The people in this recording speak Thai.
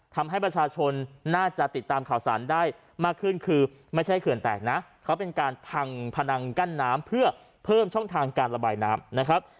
ทำให้ประชาชนน่าจะติดตามข่าวสารได้มากขึ้นคือไม่ใช่เขื่อนแตกนะเขาเป็นการพังพนังกั้นน้ำเพื่อเพิ่มช่องทางการระบายน้ำนะครับ